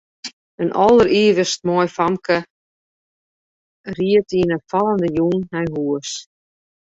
In alderivichst moai famke ried yn 'e fallende jûn nei hûs.